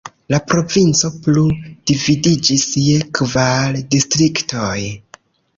La provinco plu dividiĝis je kvar distriktoj.